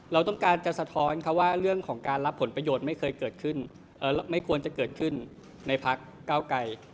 เราต้องการจะสะท้อนเขาว่าเรื่องของการรับผลประโยชน์ไม่เคยเกิดขึ้นไม่ควรจะเกิดขึ้นในพักเก้าไกร